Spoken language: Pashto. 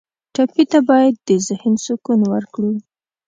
ټپي ته باید د ذهن سکون ورکړو.